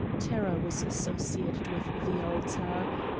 Terror was associated with the altar.